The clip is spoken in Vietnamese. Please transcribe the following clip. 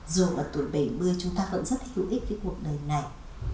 dù là tuổi bảy mươi chúng ta vẫn rất là vô ích với cuộc đời này